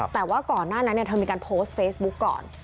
แต่ว่าก่อนหน้านั้นเธอมีการโพสต์เฟซบุ๊กก่อน